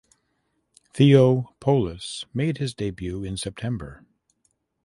Theo Poulos made his debut in September.